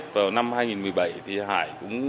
trong thời gian qua hay không